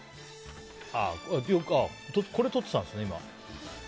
これ撮っていたんですね、今。